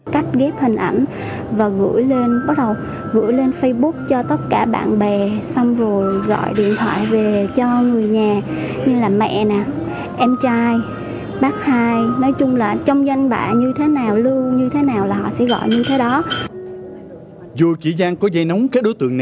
dù chị giang có dây nóng các đối tượng này hay không thì chị thiên kim cũng không có liên quan